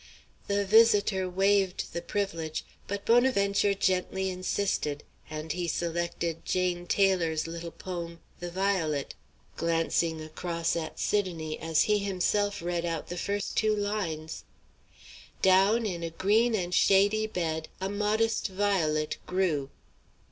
The visitor waived the privilege, but Bonaventure gently insisted, and he selected Jane Taylor's little poem, "The Violet," glancing across at Sidonie as he himself read out the first two lines: "Down in a green and shady bed A modest violet grew."